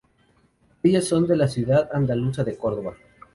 Ellas son de la ciudad andaluza de Córdoba.